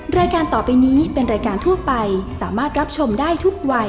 รายการต่อไปนี้เป็นรายการทั่วไปสามารถรับชมได้ทุกวัย